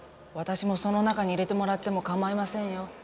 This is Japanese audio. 私もその中に入れてもらってもかまいませんよ。